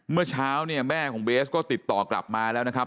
เมื่อเช้าเนี่ยแม่ของเบสก็ติดต่อกลับมาแล้วนะครับ